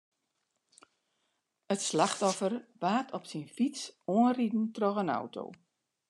It slachtoffer waard op syn fyts oanriden troch in auto.